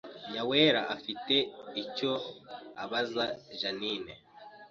Nyawera afite icyo abaza Jeaninne